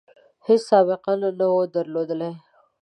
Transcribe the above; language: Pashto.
هیڅ سابقه نه وه درلودلې.